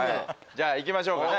じゃあいきましょうかね